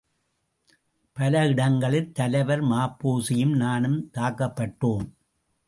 பல இடங்களில் தலைவர் ம.பொ.சியும் நானும் தாக்கப்பட்டோம்.